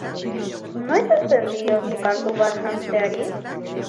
Noiz uzten diozu kantu bat janzteari?